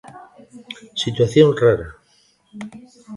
Situación rara.